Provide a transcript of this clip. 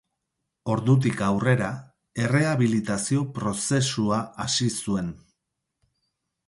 Ordutik aurrera, errehabilitazio prozesua hasi zuen.